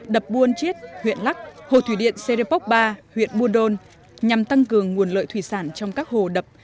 đập buôn chiết huyện lắc hồ thủy điện serepok ba huyện buôn đôn nhằm tăng cường nguồn lợi thủy sản trong các hồ đập